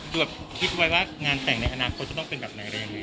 เกือบคิดไว้ว่างานแต่งในอนาคตจะต้องเป็นแบบไหนอะไรยังไง